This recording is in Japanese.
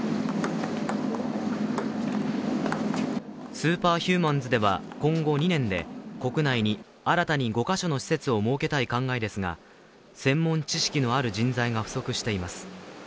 スーパーヒューマンズでは今後２年で国内に新たに５か所の施設を設けたい考えですが、専門知識のある人材が不足しています。